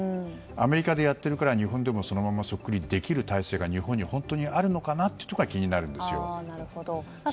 アメリカでやっているぐらい日本でもそのままそっくりできる体制が日本に、本当にあるのか気になるんですよ。